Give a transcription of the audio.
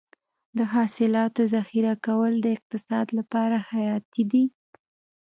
د حاصلاتو ذخیره کول د اقتصاد لپاره حیاتي دي.